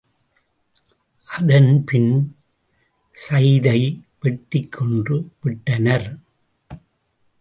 அதன்பின் ஸைதை வெட்டிக் கொன்று விட்டனர்.